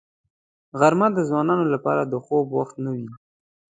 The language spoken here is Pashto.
غرمه د ځوانانو لپاره د خوب وخت نه وي